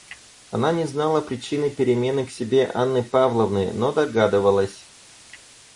Она не знала причины перемены к себе Анны Павловны, но догадывалась.